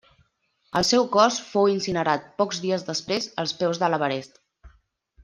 El seu cos fou incinerat pocs dies després als peus de l'Everest.